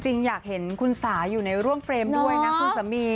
จริงอยากเห็นคุณสาอยู่ในร่วมเฟรมด้วยนะคุณสามี